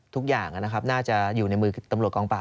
ทุกอย่างน่าจะอยู่ในมือตำรวจกองป่า